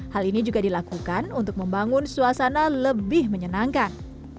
hal ini juga dilakukan untuk membangun suasana lebih menyenangkan